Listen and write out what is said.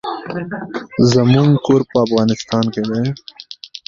جغرافیوي معلومات هم راغلي دي.